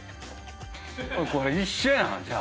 これ一緒やんじゃあ。